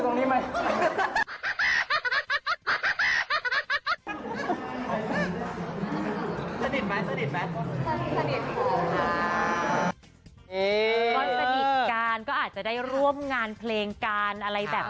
คนสนิทกันก็อาจจะได้ร่วมงานเพลงการอะไรแบบนี้